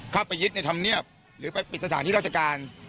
เข้าไปยึดในธรรมเนียบหรือไปปิดสถานที่ราชการ